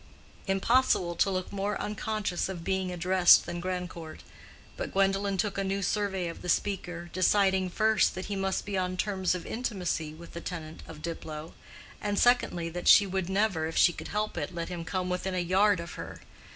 Impossible to look more unconscious of being addressed than Grandcourt; but Gwendolen took a new survey of the speaker, deciding, first, that he must be on terms of intimacy with the tenant of Diplow, and, secondly, that she would never, if she could help it, let him come within a yard of her.